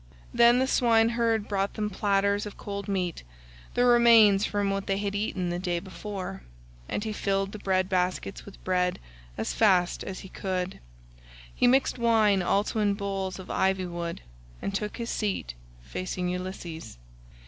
Then the swineherd brought them platters of cold meat, the remains from what they had eaten the day before, and he filled the bread baskets with bread as fast as he could. He mixed wine also in bowls of ivy wood, and took his seat facing Ulysses.